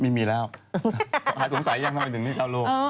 ไม่มีแล้วหาสงสัยยังทำไมถึงเป็นเจ้ารก